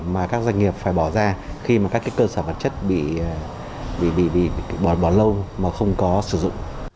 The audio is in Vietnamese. mà các doanh nghiệp phải bỏ ra khi mà các cơ sở vật chất bị bỏ bỏ lâu mà không có sử dụng